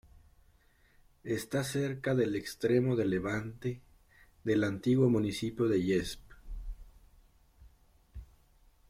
Está cerca del extremo de levante del antiguo municipio de Llesp.